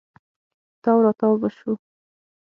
تاو راتاو به سو.